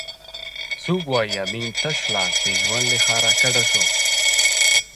څوک وایي امین تش لاس د ژوند له ښاره کډه شو؟